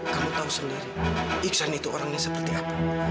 kamu tahu sendiri iksan itu orangnya seperti apa